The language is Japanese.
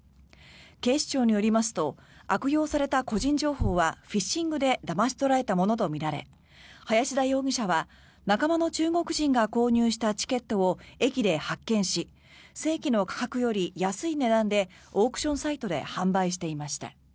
警視庁によりますと悪用された個人情報はフィッシングでだまし取られたものとみられ林田容疑者は仲間の中国人が購入したチケットを駅で発券し正規の価格より安い値段でオークションサイトで販売していました。